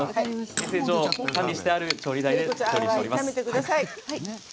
衛生を管理している調理台で調理しております。